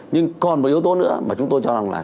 nhưng còn một yếu tố nữa mà chúng tôi cho rằng là